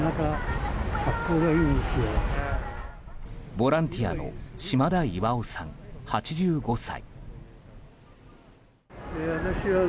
ボランティアの島田巌さん、８５歳。